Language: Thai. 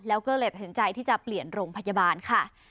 แล้วก็เลยตัดสินใจที่จะเปลี่ยนโรงพยาบาลค่ะ